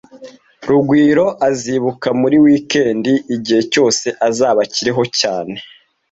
Rugwiro azibuka muri wikendi igihe cyose azaba akiriho cyane